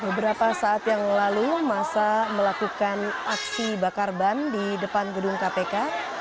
beberapa saat yang lalu masa melakukan aksi bakar ban di depan gedung kpk